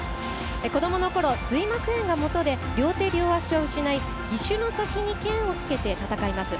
子どものころ、髄膜炎がもとで両手両足を失い義手の先に剣をつけて戦います。